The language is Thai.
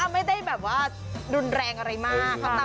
ไม่ได้แบบว่ารุนแรงอะไรมาก